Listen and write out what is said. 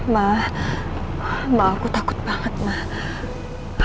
ma ma aku takut banget ma